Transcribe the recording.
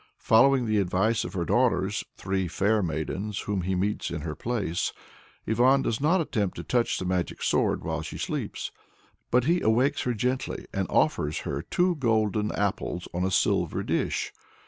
Following the advice of her daughters, three fair maidens whom he meets in her palace, Ivan does not attempt to touch the magic sword while she sleeps. But he awakes her gently, and offers her two golden apples on a silver dish.